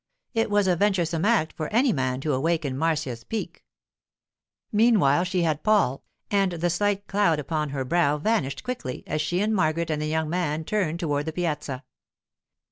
It was a venturesome act for any man to awaken Marcia's pique. Meanwhile she had Paul; and the slight cloud upon her brow vanished quickly as she and Margaret and the young man turned toward the piazza.